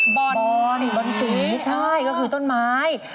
บอลบอนสีใช่ก็คือต้นไม้